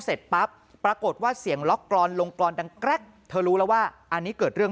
เสร็จปรากฏว่าเสียงล็อคกรอนลงกรอนแต่เขารู้ว่าอันนี้เกิดเรื่อง